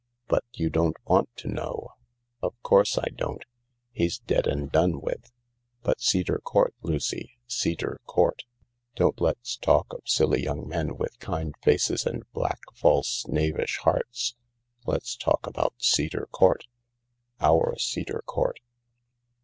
"But you don't want to know." "Of course I don't. He's dead and done with. But Cedar Court, Lucy— Cedar Court. Don't let's talk of silly young men with kind faces and black, false, knavish hearts. Let's talk about Cedar Court. Our Cedar Court.